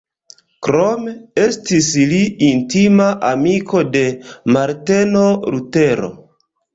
Krome estis li intima amiko de Marteno Lutero.